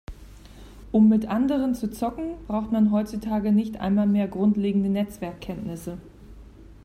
Um mit anderen zu zocken, braucht man heutzutage nicht einmal mehr grundlegende Netzwerkkenntnisse.